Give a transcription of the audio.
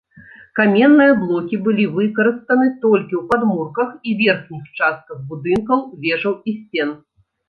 Каменныя блокі былі выкарыстаны толькі ў падмурках і верхніх частках будынкаў, вежаў і сцен.